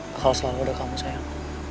bakal selalu udah kamu sayang